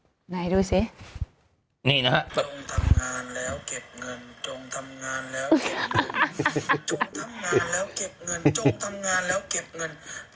จงทำงานแล้วเก็บเงินจงทำงานแล้วเก็บเงิน